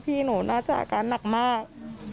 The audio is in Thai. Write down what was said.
พี่หนูน่าจะอาการหนักมาก